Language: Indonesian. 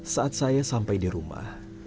saat saya sampai di rumah